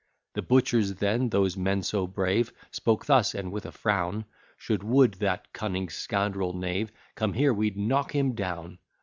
The butchers then, those men so brave, Spoke thus, and with a frown; Should Wood, that cunning scoundrel knave, Come here, we'd knock him down.